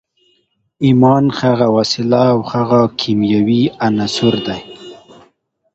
ايمان هغه وسيله او هغه کيمياوي عنصر دی.